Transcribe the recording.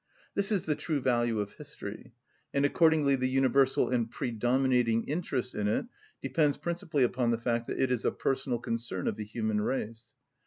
This is the true value of history, and accordingly the universal and predominating interest in it depends principally upon the fact that it is a personal concern of the human race.